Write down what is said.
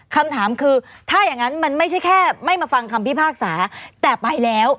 คำถามคือถ้าอย่างนั้นมันไม่ใช่แค่ไม่มาฟังคำพิพากษาแต่ไปแล้ว